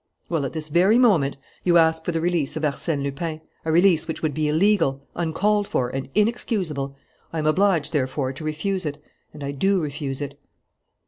Well, at this very moment, you ask for the release of Arsène Lupin, a release which would be illegal, uncalled for, and inexcusable. I am obliged, therefore, to refuse it, and I do refuse it."